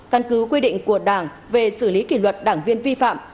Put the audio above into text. căn cứ quy định của đảng về xử lý kỷ luật đảng viên vi phạm